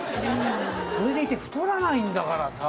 それでいて太らないんだからさ。